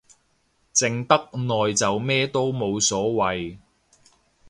靜得耐就咩都冇所謂